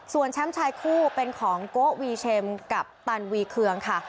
ส่วนแชมป์ชายคู่เป็นของโกวีเช็มกัปตันวีเคืองค่ะ